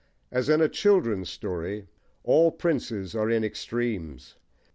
As in a children's story, all princes are in extremes.